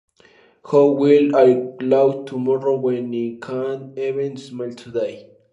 How Will I Laugh Tomorrow When I Can't Even Smile Today?